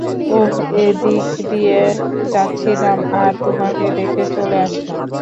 ওহ এদিক দিয়ে যাচ্ছিলাম আর তোমাকে দেখে চলে আসলাম।